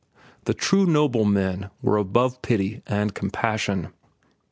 The true noble men were above pity and compassion.